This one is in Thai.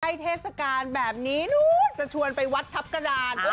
เทศกาลแบบนี้นู้นจะชวนไปวัดทัพกระดาน